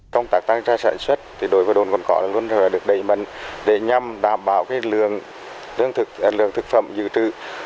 công tác tăng ra sản xuất đồi bộ đội cồn cỏ luôn được đẩy mận để nhằm đảm bảo lượng thực phẩm dự trự